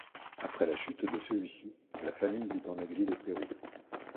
Après la chute de celui-ci, la famille vit en exil au Pérou.